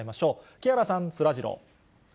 木原さん、そらジロー。